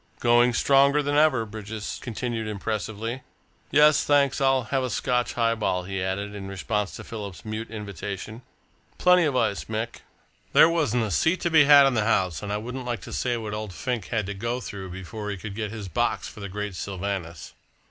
"Going stronger than ever," Bridges continued impressively. "Yes, thanks, I'll take a Scotch highball," he added, in response to Philip's mute invitation, "plenty of ice, Mick. There wasn't a seat to be had in the house, and I wouldn't like to say what old Fink had to go through before he could get his box for the great Sylvanus."